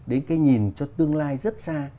để về cái nhìn cho tương lai rất xa